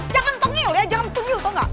jangan tunggil ya jangan tunggil tau gak